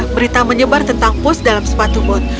berita menyebar tentang pos dalam sepatu bot